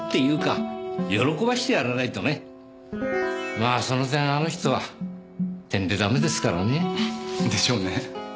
まあその点あの人はてんでダメですからね。でしょうね。